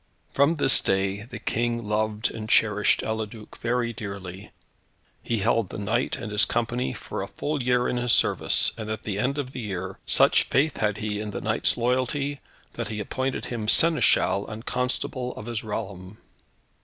From this day the King loved and cherished Eliduc very dearly. He held the knight, and his company, for a full year in his service, and at the end of the year, such faith had he in the knight's loyalty, that he appointed him Seneschal and Constable of his realm.